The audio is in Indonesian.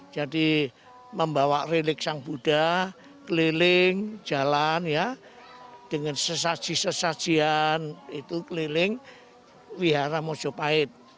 jadi membawa relik sang buddha keliling jalan ya dengan sesajian sesajian itu keliling wihara mojopahit